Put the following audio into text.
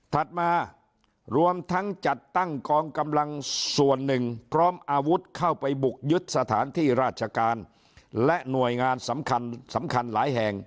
มารวมทั้งจัดตั้งกองกำลังส่วนหนึ่งพร้อมอาวุธเข้าไปบุกยึดสถานที่ราชการและหน่วยงานสำคัญสำคัญหลายแห่ง